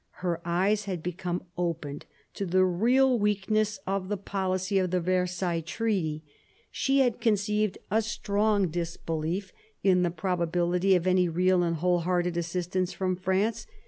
Her eyes had become opened to the real weakness of the policy of the Versailles Treaty; she had conceived a strong disbelief in the probability of any real and whole hearted assistance from France.